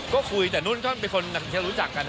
ก็คุยแต่นุ่นก็เป็นคนที่รู้จักกัน